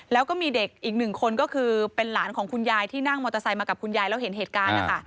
แล้วก็มีเด็กอีกหนึ่งคนก็คือเป็นหลานของคุณยายที่นั่งมอเตอร์ไซค์มากับคุณยายแล้วเห็นเหตุการณ์นะคะ